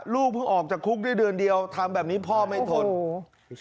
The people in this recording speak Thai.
ลูกเพิ่งออกจากคุกได้เดือนเดียวทำแบบนี้พ่อไม่ทนโอ้โห